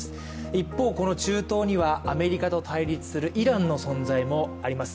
一方、この中東にはアメリカと対立するイランの存在もあります。